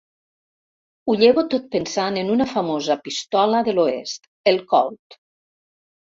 Ho llevo tot pensant en una famosa pistola de l'oest: el Colt.